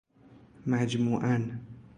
مجموعاً